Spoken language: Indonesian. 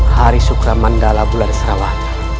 hari sukramandala bulan sarawak